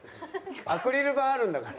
アクリル板あるんだから。